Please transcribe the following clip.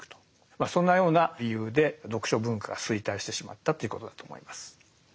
まあそんなような理由で読書文化が衰退してしまったっていうことだと思います。